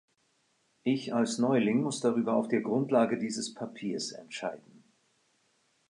Ich als Neuling muss darüber auf der Grundlage dieses Papiers entscheiden.